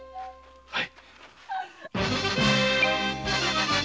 はい！